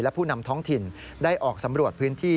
และผู้นำท้องถิ่นได้ออกสำรวจพื้นที่